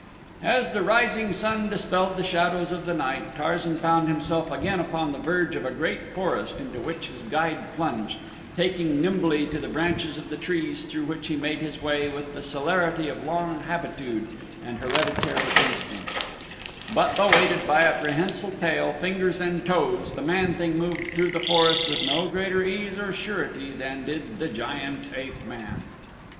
As the rising sun dispelled the shadows of the night, Tarzan found himself again upon the verge of a great forest into which his guide plunged, taking nimbly to the branches of the trees through which he made his way with the celerity of long habitude and hereditary instinct, but though aided by a prehensile tail, fingers, and toes, the man thing moved through the forest with no greater ease or surety than did the giant ape man.